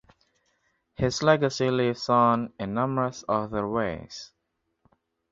His legacy lives on in numerous other ways.